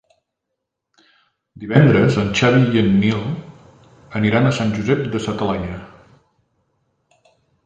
Divendres en Xavi i en Nil aniran a Sant Josep de sa Talaia.